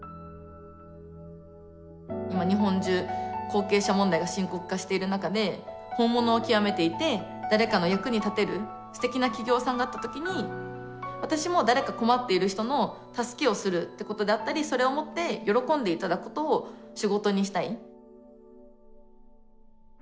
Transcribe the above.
今日本中後継者問題が深刻化している中で本物を極めていて誰かの役に立てるすてきな企業さんがあったときに私も誰か困っている人の助けをするってことであったりそれをもって喜んでいただくことを仕事にしたい。